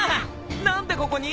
何でここに？